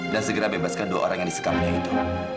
dan segera bebaskan dua orang yang disekapnya itu